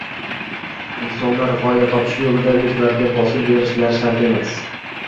Insonlar gʻoya topish yoʻlida oʻzlariga bosim berishlari shart emas